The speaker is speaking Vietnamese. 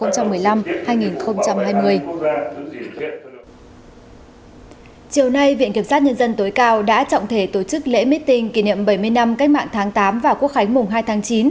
chiều nay viện kiểm sát nhân dân tối cao đã trọng thể tổ chức lễ meeting kỷ niệm bảy mươi năm cách mạng tháng tám và quốc khánh mùng hai tháng chín